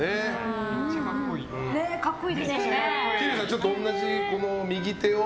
ちょっと同じポーズを。